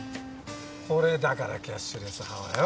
これだからキャッシュレス派はよ。